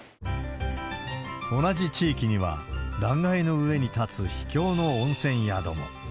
同じ地域には、断崖の上に立つ秘境の温泉宿が。